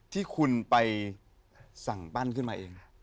ที่คุณไปสั่งปั้นขึ้นมาเอง